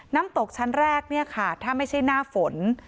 น้ำตกชั้นแรกเนี่ยค่ะถ้าไม่ใช่หน้าฝน